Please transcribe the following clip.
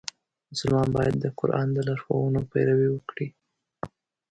مسلمان باید د قرآن د لارښوونو پیروي وکړي.